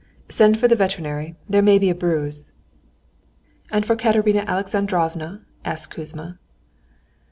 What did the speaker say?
"Send for the veterinary, there may be a bruise." "And for Katerina Alexandrovna?" asked Kouzma.